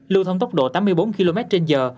lưu thông tốc độ tám mươi bốn km trên giờ